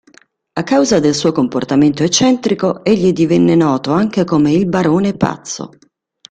A causa del suo comportamento eccentrico, egli divenne noto anche come il "Barone pazzo".